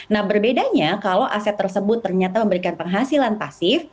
nah berbedanya kalau aset tersebut ternyata memberikan penghasilan pasif